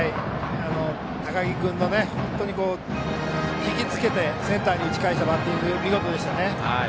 高木君の、引き付けてセンターに打ち返したバッティングは見事でしたね。